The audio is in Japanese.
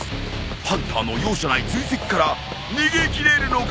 ハンターの容赦ない追跡から逃げ切れるのか！？